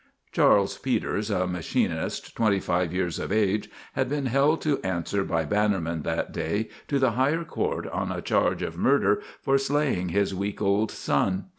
Charley Peters, a machinist, twenty five years of age, had been held to answer by Bannerman that day to the higher court on a charge of murder for slaying his week old son.